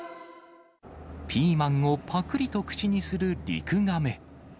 ピーマンをぱくりと口にするリクガメ。